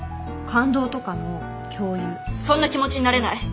そんな気持ちになれない。